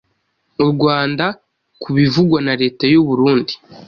u Rwanda ku bivugwa na leta y'u Burundi,